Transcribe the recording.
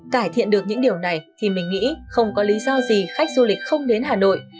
cải thiện được những điều này thì mình nghĩ không có lý do gì khách du lịch không đến hà nội